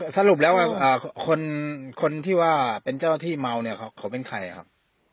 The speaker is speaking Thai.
สรุปแล้วคนที่ว่าเป็นเจ้าหน้าที่เมาเนี่ยเขาเป็นใครครับ